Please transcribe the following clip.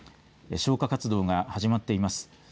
消火活動が始まっています。